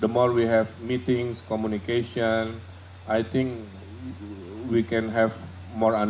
semakin banyak kita berjumpa berkomunikasi saya pikir kita bisa memiliki lebih banyak pemahaman